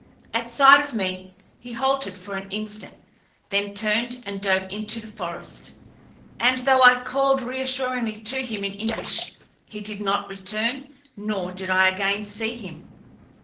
At sight of me, he halted for an instant, then turned and dove into the forest, and, though I called reassuringly to him in English he did not return nor did I again see him.